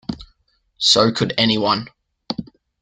So could anyone.